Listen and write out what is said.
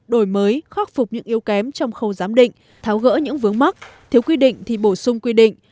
đổi mới khắc phục những yếu kém trong khâu giám định tháo gỡ những vướng mắc thiếu quy định thì bổ sung quy định